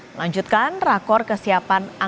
melanjutkan rakor kesiapan